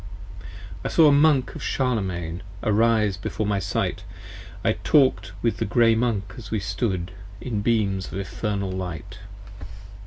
55 I saw a Monk of Charlemaine Arise before my sight: I talk'd with the Grey Monk as we stood In beams of infernal light.